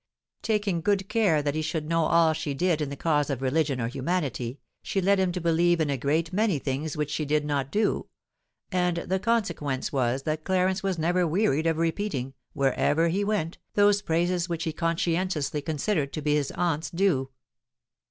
Taking good care that he should know all she did in the cause of religion or humanity, she led him to believe in a great many things which she did not do; and the consequence was that Clarence was never wearied of repeating, wherever he went, those praises which he conscientiously considered to be his aunt's due.